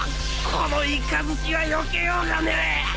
このいかずちはよけようがねえ